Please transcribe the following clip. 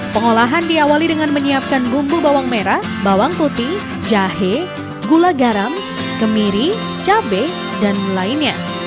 pengolahan diawali dengan menyiapkan bumbu bawang merah bawang putih jahe gula garam kemiri cabai dan lainnya